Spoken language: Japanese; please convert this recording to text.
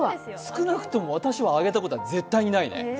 少なくとも私はあげたことは絶対にないね。